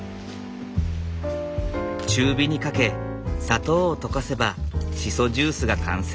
中火にかけ砂糖を溶かせばシソジュースが完成。